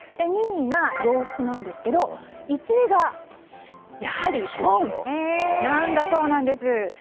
２位が洋服なんですけど１位がやはり本なんだそうです。